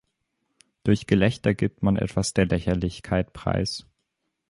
Durch Gelächter gibt man etwas der Lächerlichkeit preis.